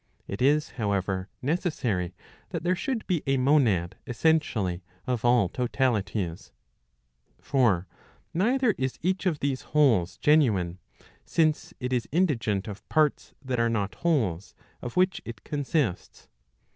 It is, however, necessary that there should be a monad essentially of all totalities. For Digitized by t^OOQLe < PROP. LXX. OF THEOLOGY. 349 neither is each of these wholes genuine, since it is indigent of parts that are not wholes, of which it consists.